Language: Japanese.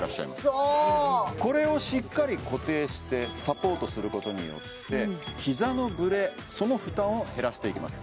そうこれをしっかり固定してサポートすることによって膝のブレその負担を減らしていきます